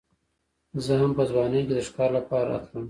زه هم په ځوانۍ کې د ښکار لپاره راتلم.